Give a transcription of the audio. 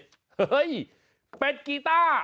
เฮ้ยเป็ดกีต้า